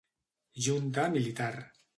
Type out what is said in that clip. Junta militar.